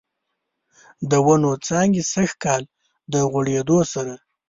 د ونوو څانګې سږکال، د غوړیدو سره